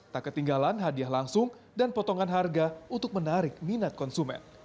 tak ketinggalan hadiah langsung dan potongan harga untuk menarik minat konsumen